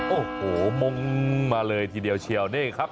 โอ้โหมงมาเลยทีเดียวเชียวนี่ครับ